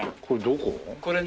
これどこ？